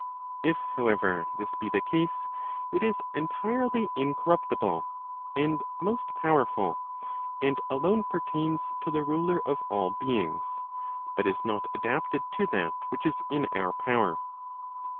If, however, this be the case, it is entirely incorruptible, and most powerful, and alone pertains to the ruler of all beings, but is not adapted to that which is in our power.